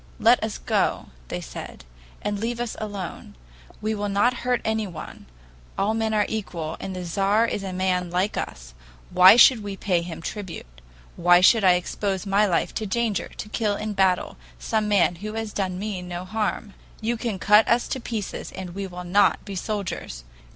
'Let us go,' they said, 'and leave us alone; we will not hurt anyone; all men are equal, and the Tzar is a man like us; why should we pay him tribute; why should I expose my life to danger to kill in battle some man who has done me no harm? You can cut us to pieces and we will not be soldiers.